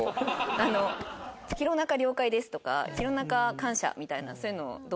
「弘中了解です」とか「弘中感謝」みたいなそういうのどう？